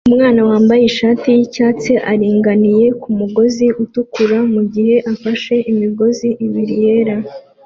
Umwana wambaye ishati yicyatsi aringaniye kumugozi utukura mugihe afashe imigozi ibiri yera